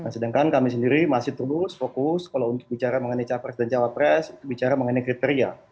sedangkan kami sendiri masih terus fokus kalau bicara mengenai cawa pres dan cawa pres bicara mengenai kriteria